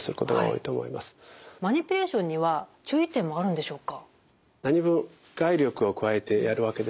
マニピュレーションには注意点はあるんでしょうか？